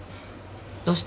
どうした？